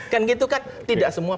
kan gitu kan tidak semua